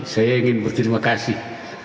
saya ingin berterima kasih